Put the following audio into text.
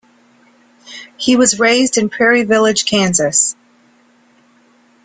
He was raised in Prairie Village, Kansas.